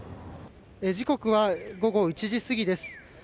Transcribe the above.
時刻は午後１時過ぎです。